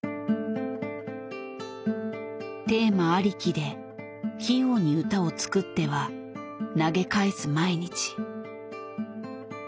テーマありきで器用に歌を作っては投げ返す毎日。